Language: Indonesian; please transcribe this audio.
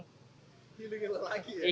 healing lelaki ya